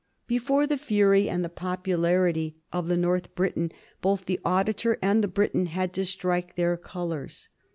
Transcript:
Before the fury and the popularity of the North Briton both the Auditor and the Briton had to strike their colors.